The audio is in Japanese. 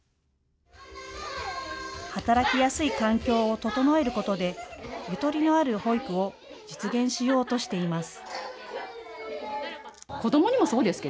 働きやすい環境を整えることでゆとりのある保育を実現しようとしています。